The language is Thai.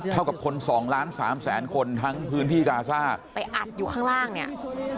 เท่ากับคนสองล้านสามแสนคนทั้งพื้นที่กาซ่าไปอัดอยู่ข้างล่างเนี่ย